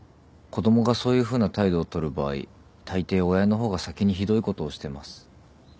子供がそういうふうな態度をとる場合たいてい親の方が先にひどいことをしてます。